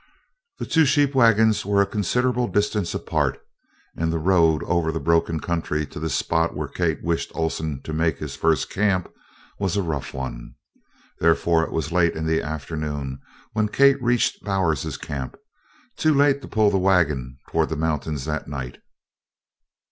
The two sheep wagons were a considerable distance apart and the road over the broken country to the spot where Kate wished Oleson to make his first camp was a rough one, therefore it was late in the afternoon when Kate reached Bowers's camp too late to pull the wagon toward the mountains that night.